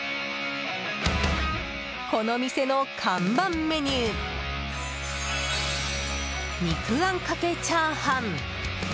この店の看板メニュー肉あんかけチャーハン。